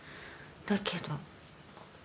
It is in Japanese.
だけど。